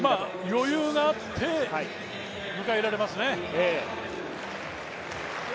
余裕があって迎えられますね。